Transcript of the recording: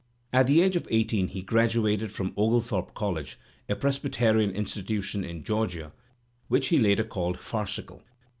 At the age of eighteen he graduated from Oglethorpe College, a Presbyterian institution in Georgia, which he Utter called "farcical."